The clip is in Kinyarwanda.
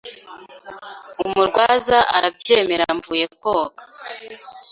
umurwaza arabyemera mvuye koga